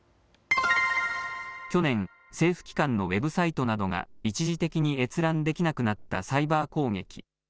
去年、政府機関のウェブサイトなどが一時的に閲覧できなくなったサイバー攻撃。